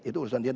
itu urusan dia